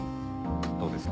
どうですか？